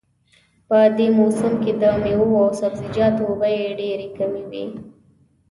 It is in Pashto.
په دې موسم کې د میوو او سبزیجاتو بیې ډېرې کمې وي